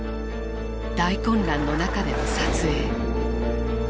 大混乱の中での撮影。